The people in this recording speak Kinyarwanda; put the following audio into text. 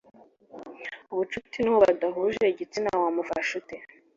ubucuti n uwo badahuje igitsina wamufasha ute